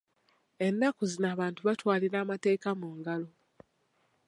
Ennaku zino abantu batwalira amateeka mu ngalo.